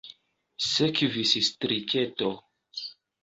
Sekvis striketo.